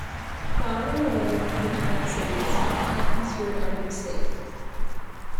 Cloud on the way to the Twin Cities, and eastward out of the state.